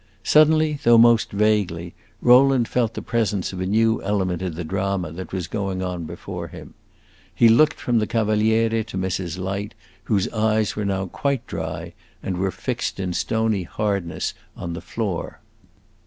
Suddenly, though most vaguely, Rowland felt the presence of a new element in the drama that was going on before him. He looked from the Cavaliere to Mrs. Light, whose eyes were now quite dry, and were fixed in stony hardness on the floor.